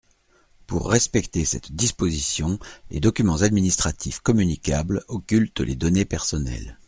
Pour respecter cette disposition, les documents administratifs communicables occultent les données personnelles.